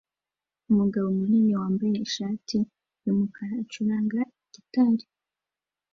Umugabo munini wambaye ishati yumukara acuranga gitari